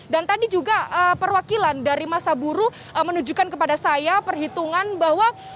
dan tadi juga perwakilan dari masa buru menunjukkan kepada saya perhitungan bahwa